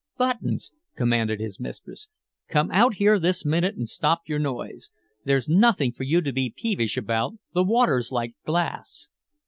"Buttons," commanded his mistress, "come out here this minute and stop your noise. There's nothing for you to be peevish about, the water's like glass.